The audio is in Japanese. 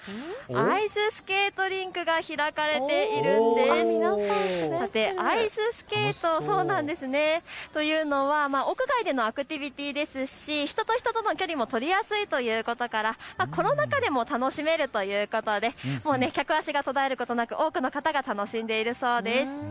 アイススケートというのは屋外でのアクティビティーですし人との距離も取りやすいということからコロナ禍でも楽しめるということで客足が途絶えることなく多くの方が楽しんでいるそうです。